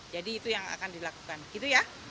jadi itu yang akan dilakukan gitu ya